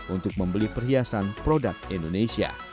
untuk membeli perhiasan produk indonesia